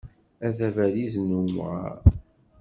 A tabalizt n umɣar.